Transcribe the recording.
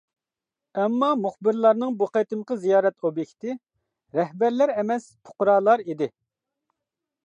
ئەمما مۇخبىرلارنىڭ بۇ قېتىمقى زىيارەت ئوبيېكتى رەھبەرلەر ئەمەس، پۇقرالار ئىدى.